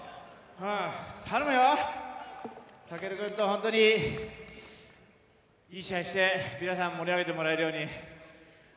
頼むよ、武尊君と本当にいい試合して皆さんを盛り上げてもらえるように。